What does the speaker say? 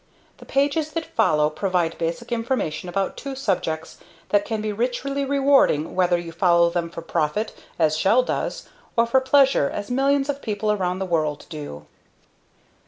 The pages that follow provide basic information about two subjects that can be richly rewarding whether you follow them for profit, as Shell does, or for pleasure, as millions of people around the world do.